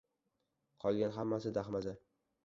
Qolgan hammasi dahmaza.